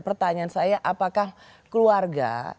pertanyaan saya apakah keluarga